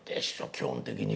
基本的には。